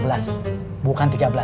padahal kodenya ada tiga belas